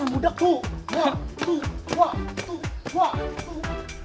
mudak jangan mudak